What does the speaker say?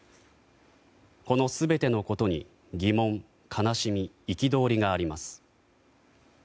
この全てのことに疑問、悲しみ、憤りがあります。